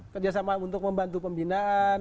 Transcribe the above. kerjasama untuk membantu pembinaan